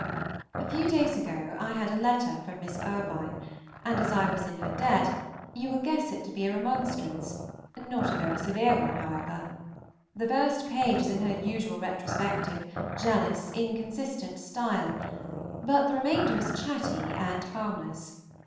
A few days ago I had a letter from Miss Irvine, and as I was in her debt, you will guess it to be a remonstrance, not a very severe one, however; the first page is in her usual retrospective, jealous, inconsistent style, but the remainder is chatty and harmless.